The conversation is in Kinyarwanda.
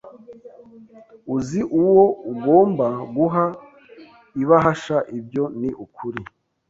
Uzi uwo ugomba guha ibahasha Ibyo ni ukuri